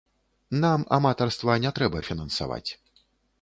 Нам аматарства не трэба фінансаваць.